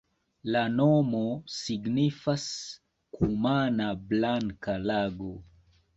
La nomo signifas kumana-blanka-lago.